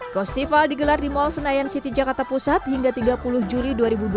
festival digelar di mall senayan city jakarta pusat hingga tiga puluh juli dua ribu dua puluh